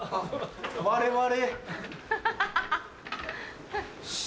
我々。